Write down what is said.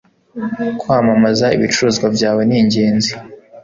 Kwamamaza ibicuruzwa byawe ningenzi